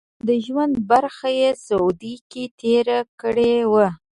د ژوند برخه یې سعودي کې تېره کړې وه.